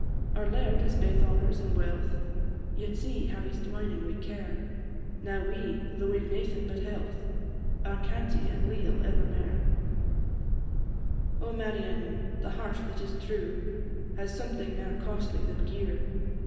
Our laird has baith honours and wealth, Yet see how he 's dwining wi' care; Now we, though we 've naething but health, Are cantie and leal evermair. "O Marion! the heart that is true, Has something mair costly than gear!